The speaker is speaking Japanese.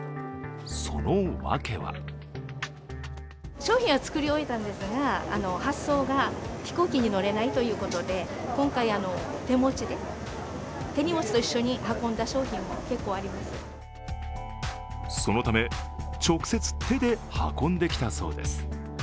その訳はそのため、直接、手で運んできたそうです。